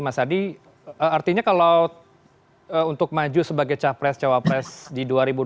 mas hadi artinya kalau untuk maju sebagai cawapres di dua ribu dua puluh empat